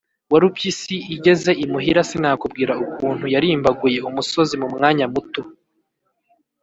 warupyisi igeze imuhira sinakubwira ukuntu yarimbaguye umusozi mu mwanya muto.